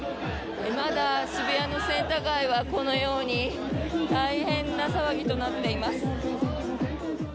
まだ渋谷のセンター街はこのように大変な騒ぎとなっています。